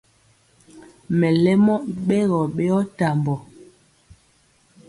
Mɛlɛmɔ i ɓɛgɔ ɓeyɔ tambɔ.